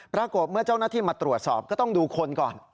เมื่อเจ้าหน้าที่มาตรวจสอบก็ต้องดูคนก่อน